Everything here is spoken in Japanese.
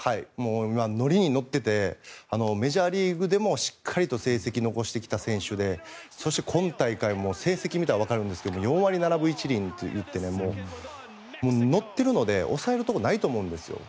今、乗りに乗っていてメジャーリーグでもしっかりと成績を残してきた選手でそして、今大会も成績を見たら分かるんですけど４割７分１厘と乗っているので抑えるところがないと思うんです。